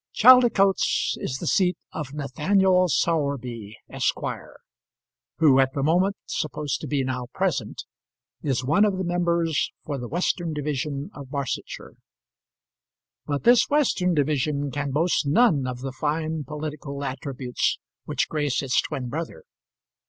Chaldicotes is the seat of Nathaniel Sowerby, Esq., who, at the moment supposed to be now present, is one of the members for the Western Division of Barsetshire. But this Western Division can boast none of the fine political attributes which grace its twin brother.